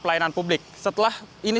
pelayanan publik setelah ini